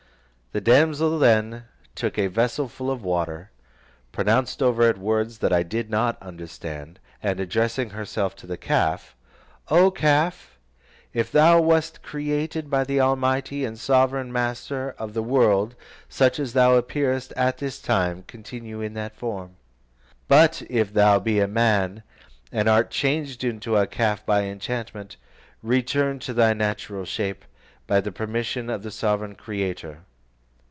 The damsel then took a vessel full of water, pronounced over it words that I did not understand, and addressing herself to the calf, "O calf, if thou west created by the almighty and sovereign master of the world such as thou appearest at this time, continue in that form; but if thou be a man, and art changed into a calf by enchantment, return to thy natural shape, by the permission of the sovereign Creator."